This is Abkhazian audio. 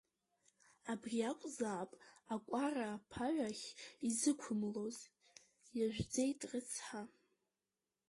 Абри акәзаап акәара аԥаҩ ахь изықәымлоз, иажәӡеит рыцҳа…